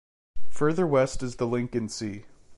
Further west is the Lincoln Sea.